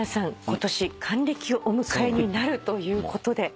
今年還暦をお迎えになるということで。